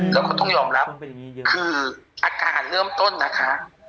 แล้วก็ต้องยอมรับคืออากาศเริ่มต้นนะคะ